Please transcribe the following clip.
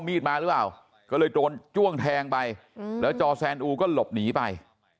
มีดมาหรือเปล่าก็เลยโดนจ้วงแทงไปแล้วจอแซนอูก็หลบหนีไป